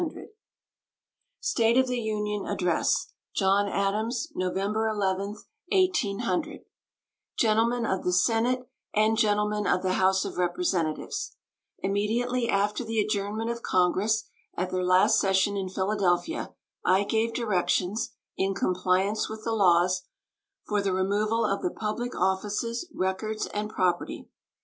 State of the Union Address John Adams November 11, 1800 Gentlemen of the Senate and Gentlemen of the House of Representatives: Immediately after the adjournment of Congress at their last session in Philadelphia I gave directions, in compliance with the laws, for the removal of the public offices, records, and property.